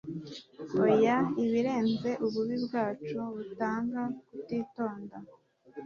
oya, ibirenze ububi bwacu butanga kutitonda